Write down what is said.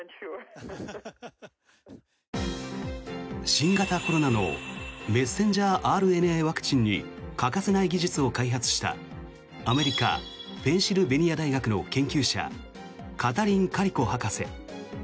新型コロナのメッセンジャーＲＮＡワクチンに欠かせない技術を開発したアメリカ・ペンシルベニア大学の研究者カタリン・カリコ博士。